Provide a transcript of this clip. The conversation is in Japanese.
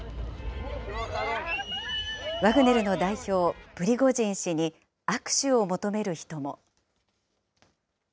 ワグネルの代表、プリゴジン氏に握手を求める人も。